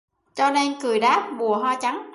Cho nên cười đáp:'Mùa hoa trắng